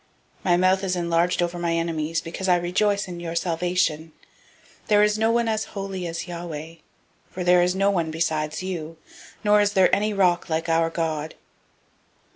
My mouth is enlarged over my enemies, because I rejoice in your salvation. 002:002 There is no one as holy as Yahweh, For there is no one besides you, nor is there any rock like our God.